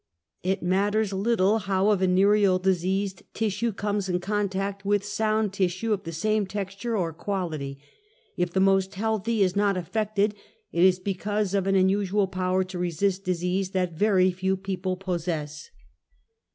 It matters little how a venereally di seased tissue comes in contact with sound tissue of the same texture, or quality, if the most healthy is not afi:ected, it is because of an unusual power to re sist disease, that very few people possess.